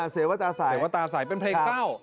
โสเวตาใสนะ